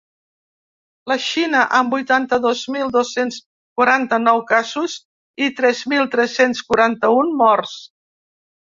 La Xina, amb vuitanta-dos mil dos-cents quaranta-nou casos i tres mil tres-cents quaranta-un morts.